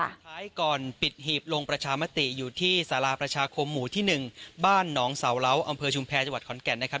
ท้ายก่อนปิดหีบลงประชามติอยู่ที่สาราประชาคมหมู่ที่๑บ้านหนองเสาเหล้าอำเภอชุมแพรจังหวัดขอนแก่นนะครับ